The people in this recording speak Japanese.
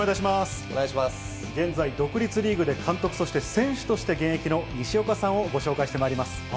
現在、独立リーグで監督、そして選手として現役の西岡さんをご紹介してまいります。